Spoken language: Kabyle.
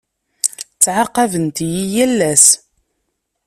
Ttɛaqabent-iyi yal ass.